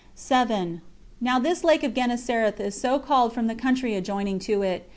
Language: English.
7. Now this lake of Gennesareth is so called from the country adjoining to it.